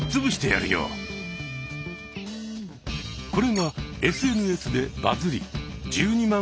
これがＳＮＳでバズり１２万